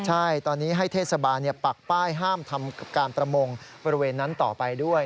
ใช่ตอนนี้ให้เทศบาลปักป้ายห้ามทำการประมงบริเวณนั้นต่อไปด้วย